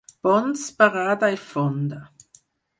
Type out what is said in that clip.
Ponts, parada i fonda.